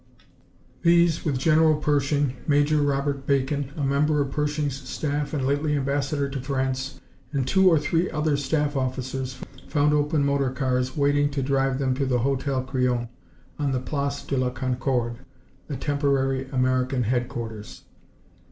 These, with General Pershing, Major Robert Bacon, a member of Pershing's staff and lately ambassador to France, and two or three other staff officers, found open motor cars waiting to drive them to the Hotel Crillon, on the Place de la Concorde, the temporary American headquarters.